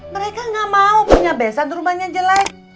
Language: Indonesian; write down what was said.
mereka gak mau punya besan rumahnya jelek